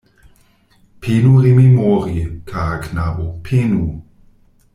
Penu rememori, kara knabo, penu.